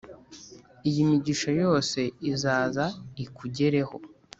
iyi migisha yose izaza ikugereho:+